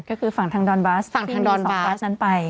ก็คือฝั่งทางดอนบาสที่มีสอบบาสนั้นไป